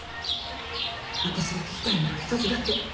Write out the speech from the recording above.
私が聞きたいのは一つだけ。